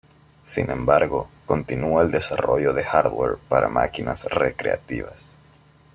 Sin embargo, continúa el desarrollo de hardware para máquinas recreativas.